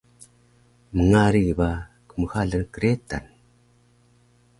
mngari ba kmxalan kretan